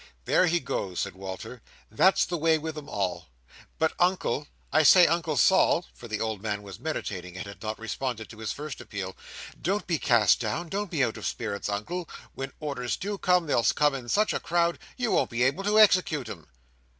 "There he goes!" said Walter. "That's the way with 'em all. But, Uncle—I say, Uncle Sol"—for the old man was meditating and had not responded to his first appeal. "Don't be cast down. Don't be out of spirits, Uncle. When orders do come, they'll come in such a crowd, you won't be able to execute 'em."